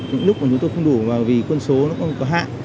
những lúc mà chúng tôi không đủ và vì quân số nó còn có hạn